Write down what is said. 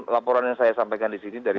laporan yang saya sampaikan di sini dari